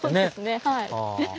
はい。